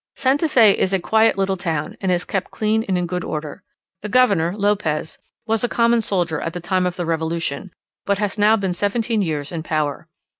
St. Fe is a quiet little town, and is kept clean and in good order. The governor, Lopez, was a common soldier at the time of the revolution; but has now been seventeen years in power.